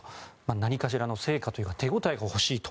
何かしらの成果というか手応えが欲しいと。